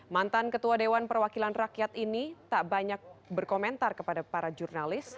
mantan ketua dewan perwakilan rakyat ini tak banyak berkomentar kepada para jurnalis